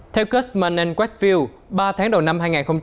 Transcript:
theo custman whitefield ba tháng đầu năm hai nghìn hai mươi hai